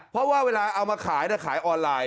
เพราะว่าเวลาเอามาขายขายออนไลน์